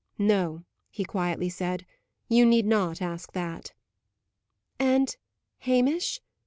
"No," he quietly said, "you need not ask that." "And Hamish?"